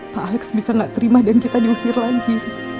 pak alex bisa nggak terima dan kita diusir lagi